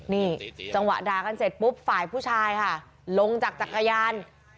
นี่จังหวะด่ากันเสร็จปุ๊บฝ่ายผู้ชายค่ะลงจากจักรยาน